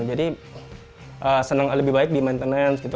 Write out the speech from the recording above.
jadi senang lebih baik di maintenance gitu